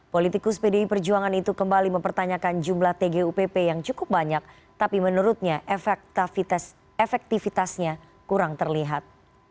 politikus pdi perjuangan itu kembali mempertanyakan jumlah tgupp yang cukup banyak tapi menurutnya efektivitasnya kurang terlihat